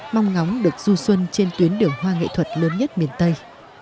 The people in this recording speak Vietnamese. mong ngóng được du xuân trên tuyến đường hoa nghệ thuật lớn nhất miền tây